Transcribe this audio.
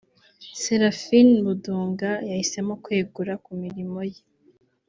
Seraphin Moundounga yahisemo kwegura ku mirimo ye